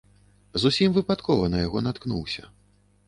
Зусім выпадкова на яго наткнуўся.